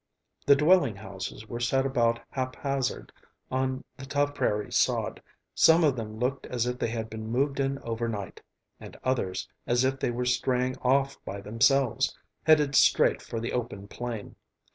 The dwelling houses were set about haphazard on the tough prairie sod; some of them looked as if they had been moved in overnight, and others as if they were straying off by themselves, headed straight for the open plain.